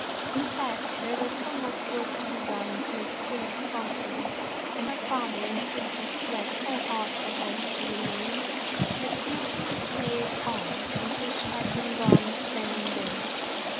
In fact, there was so much work to be done to make things comfortable, and her father and sisters plead so hard for her to remain, that Beauty stayed on, until she had been gone ten days.